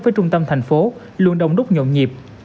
với trung tâm thành phố luôn đông đúc nhộn nhịp